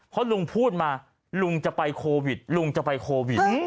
เพราะลุงพูดมาลุงจะไปโควิดลุงจะไปโควิด